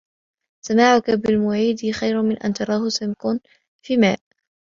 سماعك بالْمُعَيْدِيِّ خير من أن تراه سمك في ماء